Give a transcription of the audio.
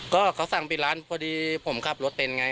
ก็เขาสั่งปิดร้านพอดีผมขับรถเป็นไง